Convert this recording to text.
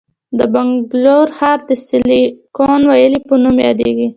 د بنګلور ښار د سیلیکون ویلي په نوم یادیږي.